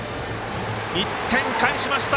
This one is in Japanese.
１点返しました！